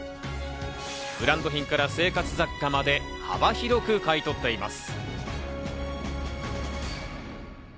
ブランド品から生活雑貨まで幅広く買い取っています。